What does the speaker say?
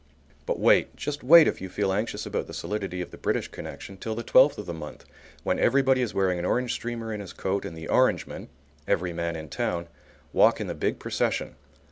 But wait, just wait, if you feel anxious about the solidity of the British connection, till the twelfth of the month, when everybody is wearing an orange streamer in his coat and the Orangemen (every man in town) walk in the big procession.